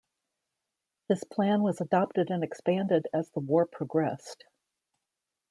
This plan was adopted and expanded as the war progressed.